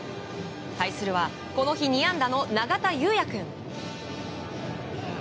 対するはこの日２安打の長田悠也君。